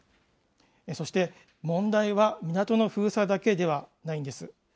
そして問題は、港の封鎖だけではないんです。